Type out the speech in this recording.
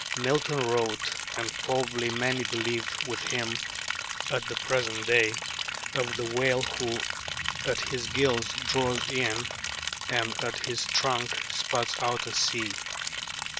Milton wrote and probably many believe with him at the present day of the whale who "at his gills draws in and at his trunk spouts out a sea."